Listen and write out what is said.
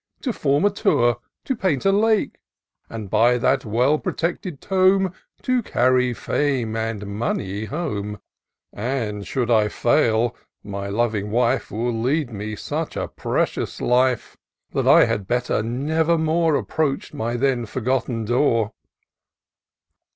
To form a Tour — to paint a Lake ; And, by that well projected Tome, To carry fame and money home ; J 12G TOUR OF DOCTOR SYNTAX And, should I fail, my loving wife Will lead me such a precious life. That I had better never more Approach my then forbidden door."